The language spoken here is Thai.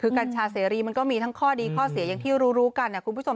คือกัญชาเสรีมันก็มีทั้งข้อดีข้อเสียอย่างที่รู้กันนะคุณผู้ชม